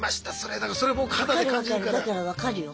だから分かるよ。